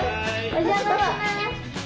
お邪魔します！